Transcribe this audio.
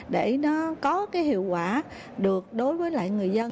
để nó có cái hiệu quả được đối với lại người dân